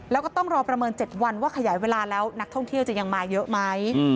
แล้วก็ต้องรอประเมิน๗วันว่าขยายเวลาแล้วนักท่องเที่ยวจะยังมาเยอะไหม